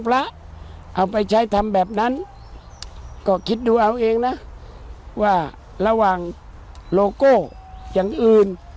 เอาไปใช้ทำแบบนั้นก็คิดดูเอาเองนะว่าระหว่างโลโก้อย่างอื่น